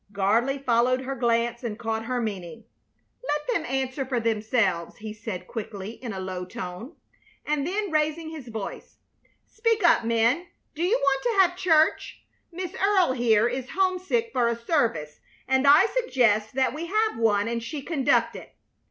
Gardley followed her glance and caught her meaning. "Let them answer for themselves," he said quickly in a low tone, and then, raising his voice: "Speak up, men. Do you want to have church? Miss Earle here is homesick for a service, and I suggest that we have one, and she conduct it."